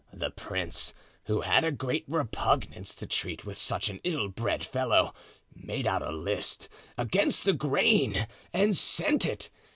The prince, who had a great repugnance to treat with such an ill bred fellow, made out a list, against the grain, and sent it.